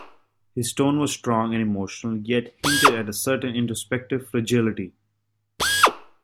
His tone was strong and emotional, yet hinted at a certain introspective fragility.